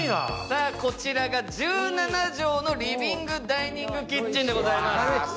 こちら１７畳のリビングダイニングキッチンでございます。